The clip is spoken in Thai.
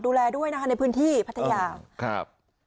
ดูแลด้วยนะในพื้นที่พัทยา